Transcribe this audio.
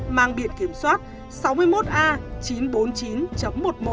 mang biển kiểm soát sáu mươi một a chín trăm bốn mươi chín một mươi một